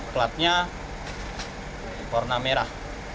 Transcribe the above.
platnya warna merah